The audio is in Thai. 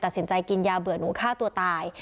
ตัดสินใจกินยาเบื่อหนูฆ่าตัวตาย